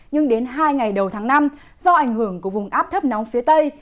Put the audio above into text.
nhưng đến hai ngày đầu tháng năm do ảnh hưởng của vùng áp thấp nóng phía tây